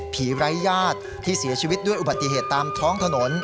ไร้ญาติที่เสียชีวิตด้วยอุบัติเหตุตามท้องถนน